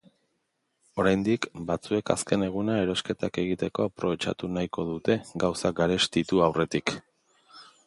Oraindik batzuek azken eguna erosketak egiteko aprobetxatu nahiko dute gauzak garestitu aurretik.